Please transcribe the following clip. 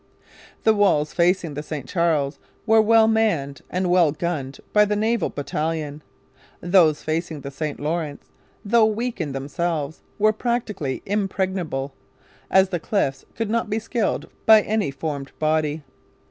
The walls facing the St Charles were well manned and well gunned by the naval battalion. Those facing the St Lawrence, though weak in themselves, were practically impregnable, as the cliffs could not be scaled by any formed body.